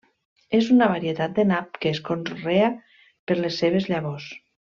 És una varietat de nap que es conrea per les seves llavors.